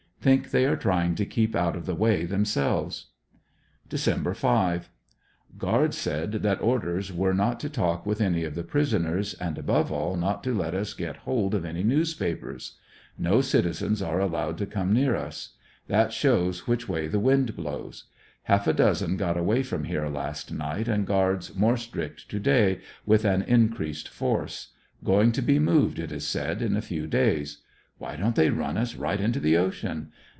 Think they are try ing to keep out of the way themselves. Dec 5 — Guard said that orders were not to talli with any of the prisoners, and above all not to let us get hold of any newspapers. No citizens are allowed to come near us. That shows which way the wind blows. Half a dozen got away from here last night, and guards more strict to day, with an increased force. Going to be moved, it is said, in a few days. Why don't they run us right into the ocean?